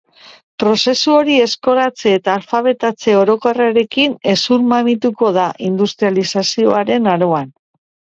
Prozesu hori eskolatze eta alfabetatze orokorrarekin hezurmamituko da industrializazioaren aroan.